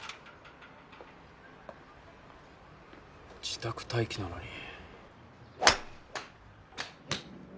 自宅待機なのに。